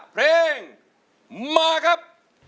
เพลงมาครับ